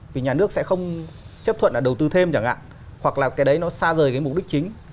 vì nhà nước sẽ không chấp thuận là đầu tư thêm chẳng hạn hoặc là cái đấy nó xa rời cái mục đích chính